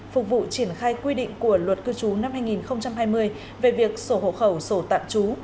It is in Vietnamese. phục vụ triển khai quy định của luật cư trú năm hai nghìn hai mươi về việc sổ hộ khẩu sổ tạm trú